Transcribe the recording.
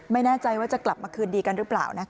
ไม่แน่ใจว่าจะกลับมาคืนดีกันหรือเปล่า